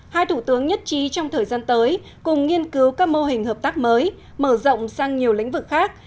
hai thủ tướng nhất trí trong thời gian tới cùng nghiên cứu các mô hình hợp tác mới mở rộng sang nhiều lĩnh vực khác